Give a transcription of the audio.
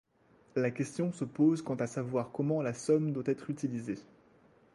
La question se pose quant à savoir comment la somme doit être utilisée.